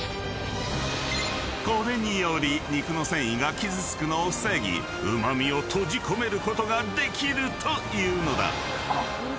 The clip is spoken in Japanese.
［これにより肉の繊維が傷つくのを防ぎうま味を閉じ込めることができるというのだ］